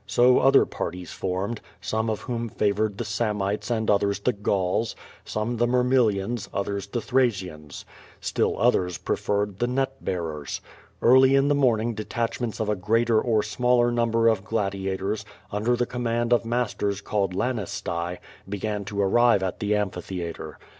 So otlier parties formed, some of Arhom favored the Samnites and othei s the Gauls; some the Mirmillions, others the Thraccans. Still r. others preferred the net bearers. Karly in the morning de tachments of a greater or smaller number of gladiators, under the command of masters called "lanistae," began to arrive t at the am]>hitheatre.